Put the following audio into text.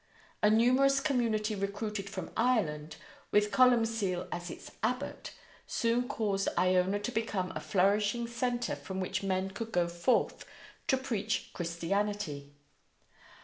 A numerous community recruited from Ireland, with Columcille as its Abbot, soon caused Iona to become a flourishing centre from which men could go forth to preach Christianity.